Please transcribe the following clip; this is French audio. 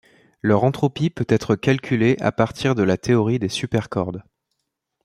Leur entropie peut être calculée à partir de la théorie des supercordes.